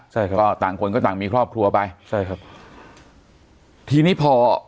ใช่ครับก็ต่างคนก็ต่างมีครอบครัวไปใช่ครับทีนี้พอ